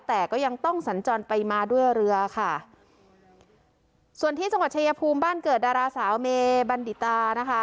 แต่ก็ยังต้องสัญจรไปมาด้วยเรือค่ะส่วนที่จังหวัดชายภูมิบ้านเกิดดาราสาวเมบัณฑิตตานะคะ